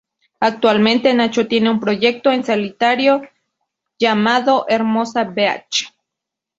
Actualmente Nacho tiene un proyecto en solitario llamado "Hermosa Beach".